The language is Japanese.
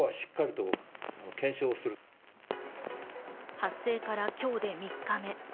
発生から今日で３日目。